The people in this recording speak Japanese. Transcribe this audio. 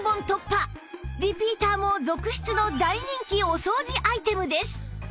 リピーターも続出の大人気お掃除アイテムです！